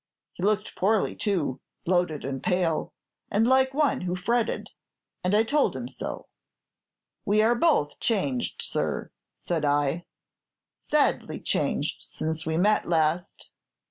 He looked poorly, too, bloated and pale, and like one who fretted, and I told him so. "We are both changed, sir," said I, "sadly changed since we met last.